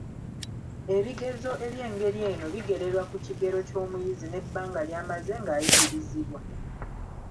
Ebigezo eby'engeri eno bigererwa ku kigero ky'omuyizi n'ebbanga ly'amaze ng'ayigirizibwa.